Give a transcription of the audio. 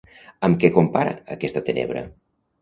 Amb què compara aquesta tenebra?